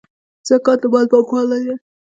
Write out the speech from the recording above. زکات د مال پاکوالی دی